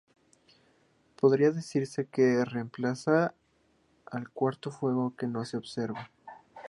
Podría decirse que reemplaza al cuarto fuego que no se observa.